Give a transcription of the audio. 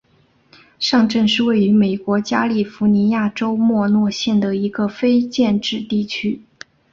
上镇是位于美国加利福尼亚州莫诺县的一个非建制地区。